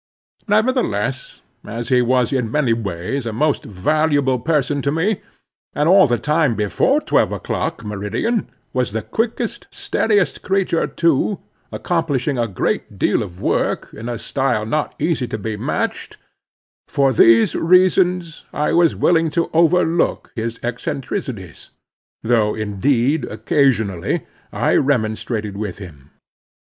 Nevertheless, as he was in many ways a most valuable person to me, and all the time before twelve o'clock, meridian, was the quickest, steadiest creature too, accomplishing a great deal of work in a style not easy to be matched—for these reasons, I was willing to overlook his eccentricities, though indeed, occasionally, I remonstrated with him.